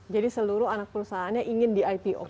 jadi seluruh anak perusahaannya ingin di ipo kan